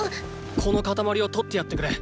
このカタマリを取ってやってくれ。